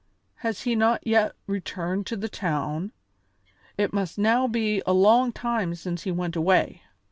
Has he not yet returned to the town? It must now be a long time since he went away."